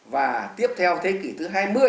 và tiếp theo thế kỷ thứ hai mươi